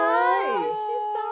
おいしそう！